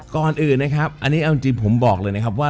ก่อนอื่นนะครับอันนี้เอาจริงผมบอกเลยนะครับว่า